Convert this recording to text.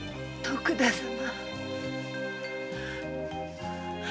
徳田様。